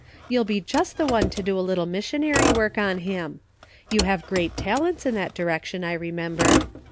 You'll be just the one to do a little missionary work on him. You have great talents in that direction I remember.